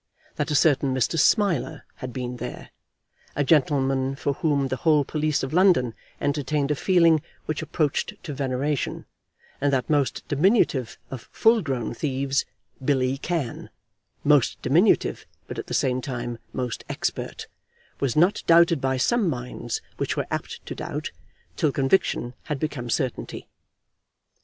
That a certain Mr. Smiler had been there, a gentleman for whom the whole police of London entertained a feeling which approached to veneration, and that most diminutive of full grown thieves, Billy Cann, most diminutive but at the same time most expert, was not doubted by some minds which were apt to doubt till conviction had become certainty.